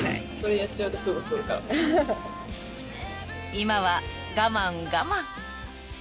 ［今は我慢我慢］